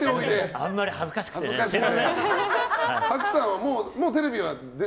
あんまり恥ずかしくて。